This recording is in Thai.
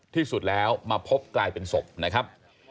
ที่สุดแล้วมาพบกลายเป็นศพนะครับ